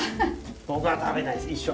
僕は食べないです一緒。